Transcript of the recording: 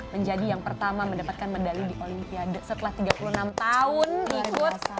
menjadi yang pertama mendapatkan medali di olimpiade setelah tiga puluh enam tahun ikut